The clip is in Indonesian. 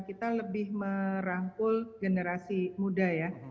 kita lebih merangkul generasi muda ya